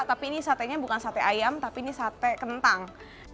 tapi ini satenya bukan sate ayam tapi ini sate kentang